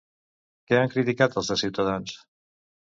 Què han criticat els de Ciutadans?